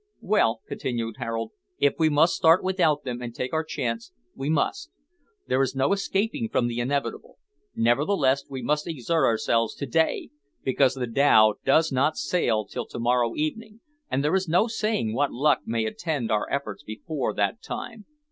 "Well," continued Harold, "if we must start without them and take our chance, we must; there is no escaping from the inevitable; nevertheless we must exert ourselves to day, because the dhow does not sail till to morrow evening, and there is no saying what luck may attend our efforts before that time.